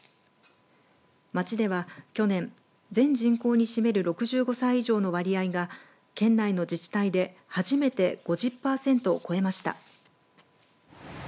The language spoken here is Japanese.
町では去年全人口に占める６５歳以上の割合が県内の自治体で初めて５０パーセントを超えました。